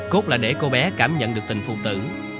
cốt là để cô bé cảm nhận được tình phụ tử